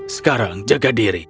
sekarang jaga diri